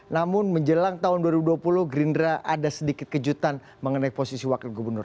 namun menjelang tahun dua ribu dua puluh gerindra ada sedikit kejutan mengenai posisi wakil gubernur